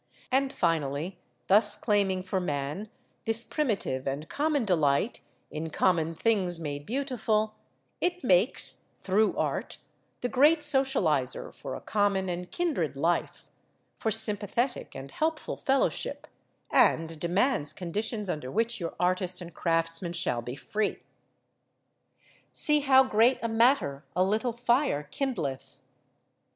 And, finally, thus claiming for man this primitive and common delight in common things made beautiful, it makes, through art, the great socialiser for a common and kindred life, for sympathetic and helpful fellowship, and demands conditions under which your artist and craftsman shall be free. "See how great a matter a little fire kindleth."